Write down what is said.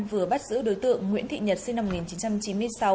vừa bắt giữ đối tượng nguyễn thị nhật sinh năm một nghìn chín trăm chín mươi sáu